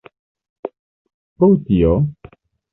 Pro tio.